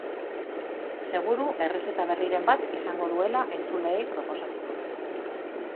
Seguru errezeta berriren bat izango duela entzuleei proposatzeko.